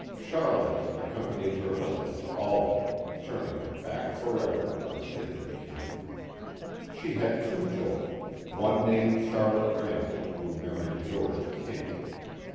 Charlotte accom panied her husband to Albany, turning her back forever on her kith and kin. She had two children, one named Charlotte Randall, who married George King.